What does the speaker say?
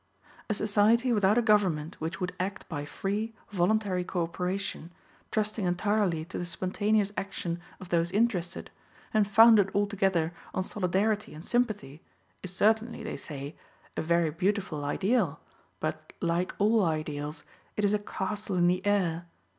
A society without a government, which would act by free, voluntary co operation, trusting entirely to the spontaneous action of those interested, and founded altogether on solidarity and sympathy, is certainly, they say, a very beautiful ideal, but, like all ideals, it is a castle in the air.